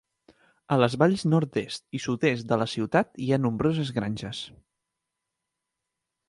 A les valls nord-est i sud-est de la ciutat hi ha nombroses granges.